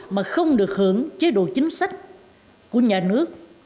mà không được hưởng chế độ chính sách của nhà nước